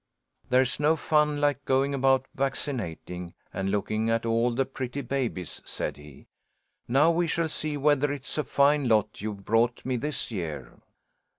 "There's no fun like going about vaccinating and looking at all the pretty babies," said he. "Now we shall see whether it's a fine lot you've brought me this year."